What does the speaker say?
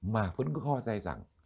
mà vẫn cứ ho dài dẳng